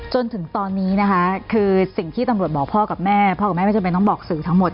จนถึงตอนนี้นะคะคือสิ่งที่ตำรวจบอกพ่อกับแม่พ่อกับแม่ไม่จำเป็นต้องบอกสื่อทั้งหมด